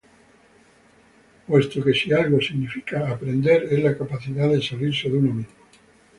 Puesto que si algo significa aprender es la capacidad de salirse de uno mismo.